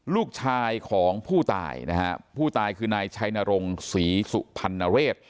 ลูกชายของผู้ตายนะฮะผู้ตายคือนายชัยนรงศรีสุพรรณเรศ